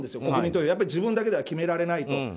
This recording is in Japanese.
国民投票自分だけでは決められないと。